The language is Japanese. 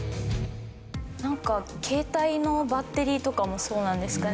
なんか携帯のバッテリーとかもそうなんですかね？